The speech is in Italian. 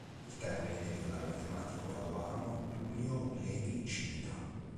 Il termine deriva dal matematico padovano Tullio Levi Civita.